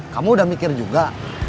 kamu udah mikir juga